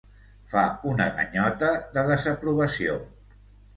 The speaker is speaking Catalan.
Fa una ganyota de desaprovació.